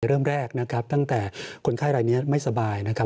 เริ่มแรกนะครับตั้งแต่คนไข้รายนี้ไม่สบายนะครับ